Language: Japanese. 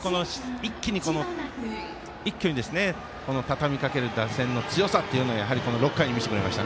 一挙にたたみかける打線の強さをこの６回に見せてくれました。